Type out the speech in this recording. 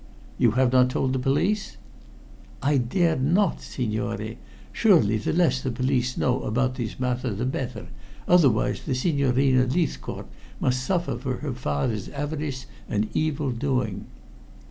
"You have not told the police?" "I dare not, signore. Surely the less the police know about this matter the better, otherwise the Signorina Leithcourt must suffer for her father's avarice and evil doing."